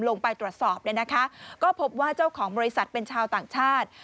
ลงไปตรวจสอบเนี่ยนะคะก็พบว่าเจ้าของบริษัทเป็นชาวต่างชาติ